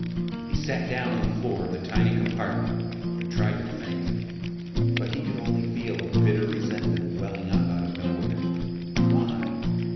He sat down on the floor of the tiny compartment and tried to think. But he could only feel a bitter resentment welling up out of nowhere. Why?